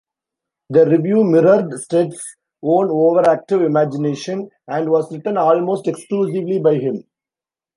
The "Review" mirrored Stead's own over-active imagination and was written almost exclusively by him.